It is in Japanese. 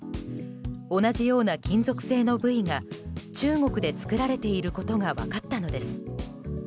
同じような金属製のブイが中国で作られていることが分かったのです。